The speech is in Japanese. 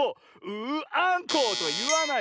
「ううアンコウ！」といわない。